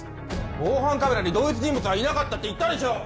防犯カメラに同一人物はいなかったって言ったでしょ！